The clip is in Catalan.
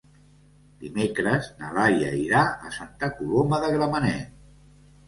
Dimecres na Laia irà a Santa Coloma de Gramenet.